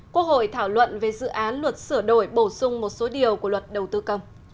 quốc hội thảo luận về dự án luật sửa đổi bổ sung một số điều của luật đầu tư công